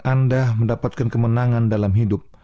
anda mendapatkan kemenangan dalam hidup